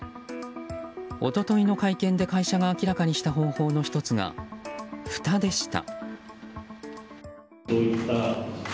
一昨日の会見で会社が明らかにした方法の１つがふたでした。